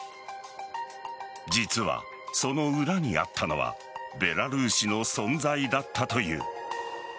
実は、その裏にあったのはベラルーシの存在だったという。